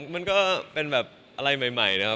มันก็เป็นแบบอะไรใหม่นะครับ